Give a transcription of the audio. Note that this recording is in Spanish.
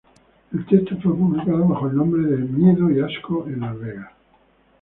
El texto fue publicado bajo el nombre "Miedo y asco en Las Vegas".